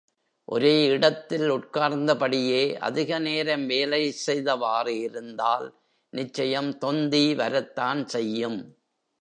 ஒரே இடத்தில் உட்கார்ந்தபடியே, அதிக நேரம் வேலை செய்தவாறு இருந்தால், நிச்சயம் தொந்தி வரத்தான் செய்யும்.